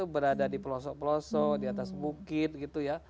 berada di pelosok pelosok di atas bukit gitu ya